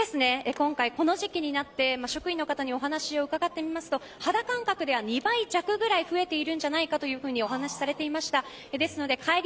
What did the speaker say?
今回この時期になって職員の方に話を伺うと２倍弱ぐらい増えているんじゃないかとお話をされていました。